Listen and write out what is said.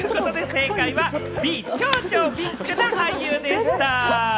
正解はＢ・超超ビッグな俳優でした。